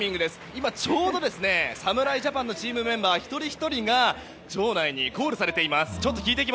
今、ちょうど侍ジャパンのチームメンバー、一人ひとりが場内にコールされています。